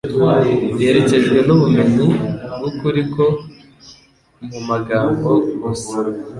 iherekejwe n'ubumenyi bw'ukuri ko mu magambo gusa.